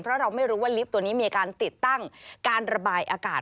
เพราะเราไม่รู้ว่าลิฟต์ตัวนี้มีการติดตั้งการระบายอากาศ